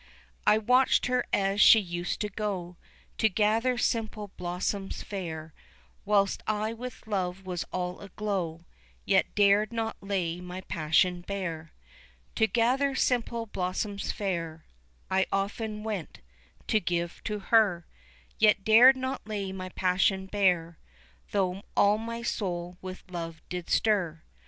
I watched her as she used to go To gather simple blossoms fair, Whilst I with love was all aglow Yet dared not lay my passion bare. To gather simple blossoms fair I often went to give to her, Yet dared not lay my passion bare Though all my soul with love did stir.